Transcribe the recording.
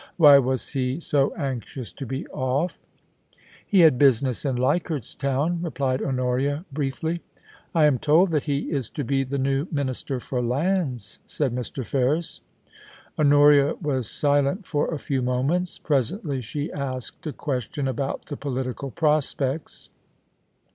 Why was he so anxious to be off?* 92 POLICY AND PASSION. * He had business in Leichardt's Town/ replied Honoria, briefly. * I am told that he is to be the new Minister for Lands/ said Mr. Ferris. Honoria was silent for a few moments. Presently she asked a question about the political prospects.